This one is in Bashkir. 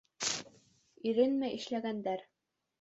— Иренмәй эшләгәндәр.